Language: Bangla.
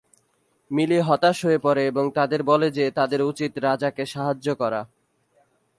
মিলি হতাশ হয়ে পড়ে এবং তাদের বলে যে তাদের উচিত রাজাকে সাহায্য করা।